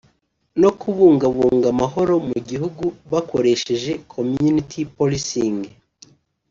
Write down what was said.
no kubungabunga amahoro mu gihugu bakoresheje Community Policing